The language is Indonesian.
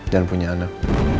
dan punya anak